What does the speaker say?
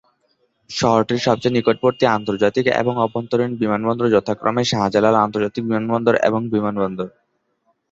শহরটির সবচেয়ে নিকটবর্তী আন্তর্জাতিক এবং আভ্যন্তরীণ বিমানবন্দর যথাক্রমে শাহজালাল আন্তর্জাতিক বিমানবন্দর এবং বিমানবন্দর।